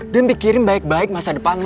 dan pikirin baik baik masa depan lo